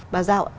bà giao ạ